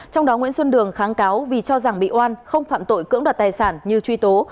trong đó nguyễn xuân đường kháng cáo vì cho rằng bị oan không phạm tội cưỡng đoạt tài sản như truy tố